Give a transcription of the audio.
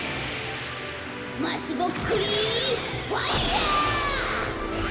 まつぼっくりファイアー！